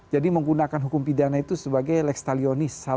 jadi menggunakan hukum pidana itu sebagai lex talionis